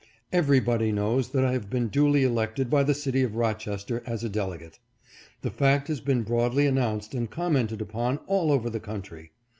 Everybody knows that I have been duly elected by the city of Rochester as a delegate. The fact has been broadly announced and commented upon all over the country.